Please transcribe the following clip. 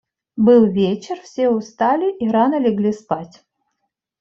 Был вечер; все устали и рано легли спать.